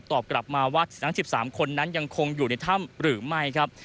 ตอบกลับมาว่าทั้ง๑๓คนนั้นยังคงอยู่ในถ้ำหรือไม่ครับ